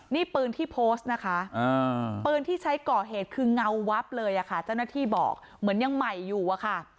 นี่ปืนที่โพสต์นะคะปืนที่ใช้ก่อเหตุคือเงาวับเลยค่ะเจ้าหน้าที่บอกเหมือนยังใหม่อยู่อะค่ะ